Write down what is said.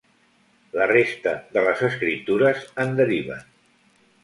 La resta de les escriptures en deriven.